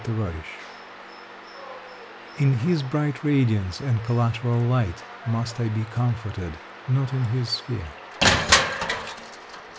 XXVI "In his bright radiance and collateral light Must I be comforted, not in his sphere."